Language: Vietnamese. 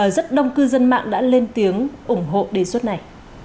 rất đông cư dân mạng đã lên tiếng ủng hộ đề xuất này